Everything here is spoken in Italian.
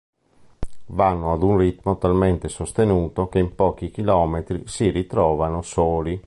Vanno a un ritmo talmente sostenuto che in pochi chilometri si ritrovano soli.